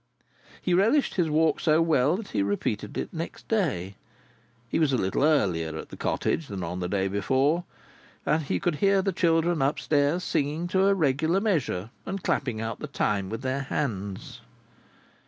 He relished his walk so well, that he repeated it next day. He was a little earlier at the cottage than on the day before, and he could hear the children up stairs singing to a regular measure and clapping out the time with their hands.